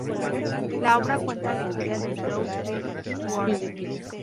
La obra cuenta la historia del drow Drizzt Do'Urden.